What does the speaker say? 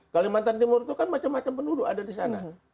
kalimantan timur itu kan macam macam penduduk ada di sana